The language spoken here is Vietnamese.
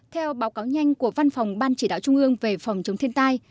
theo báo cáo nhanh của văn phòng ban chỉ đạo trung ương về phòng chống thiên tai